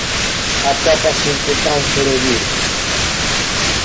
Atopase entre Cáncer e Virgo.